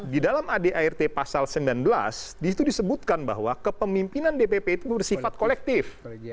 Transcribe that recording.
di dalam adart pasal sembilan belas disitu disebutkan bahwa kepemimpinan dpp itu bersifat kolektif